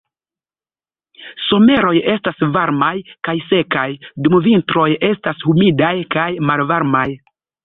Someroj estas varmaj kaj sekaj, dum vintroj estas humidaj kaj malvarmaj.